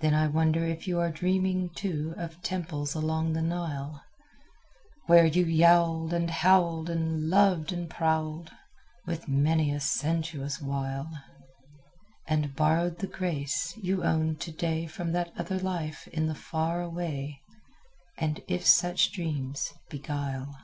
Then I wonder if you are dreaming, too, Of temples along the Nile, Where you yowled and howled, and loved and prowled, With many a sensuous wile, And borrowed the grace you own today From that other life in the far away; And if such dreams beguile.